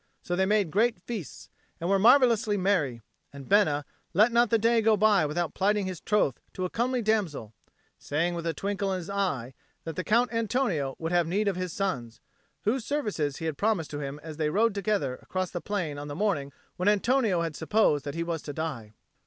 So they made great feasts, and were marvellously merry; and Bena let not the day go by without plighting his troth to a comely damsel, saying with a twinkle in his eye that the Count Antonio would have need of his sons, whose services he had promised to him as they rode together across the plain on the morning when Antonio had supposed that he was to die.